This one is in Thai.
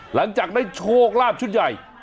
หลังจากได้โชคลาภชุดใหญ่